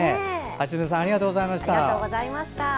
橋爪さんありがとうございました。